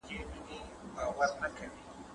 هغوی وایي چې هندواڼه د پوستکي لپاره ګټوره ده.